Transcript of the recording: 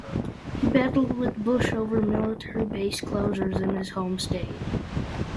He battled with Bush over military base closures in his home state.